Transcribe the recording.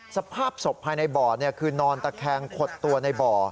สภาพศพภายในบ่อคือนอนตะแคงขดตัวในบ่อ